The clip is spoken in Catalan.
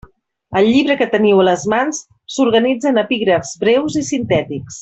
El llibre que teniu a les mans s'organitza en epígrafs breus i sintètics.